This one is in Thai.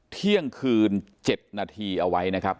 เที่ยงคืน๗นาทีเอาไว้นะครับ